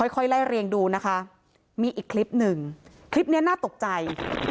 ค่อยไล่เรียงดูนะคะมีอีกคลิปหนึ่งคลิปนี้น่าตกใจ